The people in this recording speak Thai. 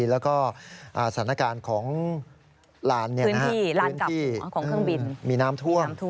และสถานการณ์ของหลานกลับของเครื่องบินมีน้ำท่วม